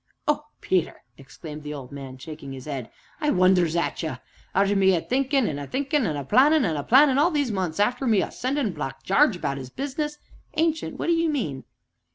"Oh, Peter!" exclaimed the old man, shaking his head, "I wonders at ye; arter me a thinkin' an' a thinkin', an' a plannin' an' a plannin' all these months arter me a sendin' Black Jarge about 'is business " "Ancient, what do you mean?"